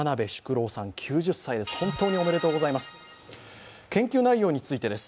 ９０歳です、本当におめでとうございます。